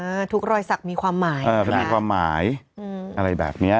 ทุกรอยสักมีความหมายเออมันมีความหมายอืมอะไรแบบเนี้ย